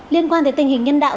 liên quan đến tình hình nhân đạo